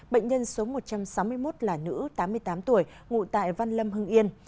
bệnh nhân số một trăm sáu mươi một là nữ tám mươi tám tuổi ngụ tại văn lâm hưng yên